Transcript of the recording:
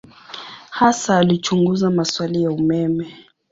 Hasa alichunguza maswali ya umeme.